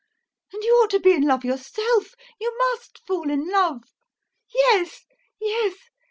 And you ought to be in love yourself, you must fall in love! [Angry] Yes, yes!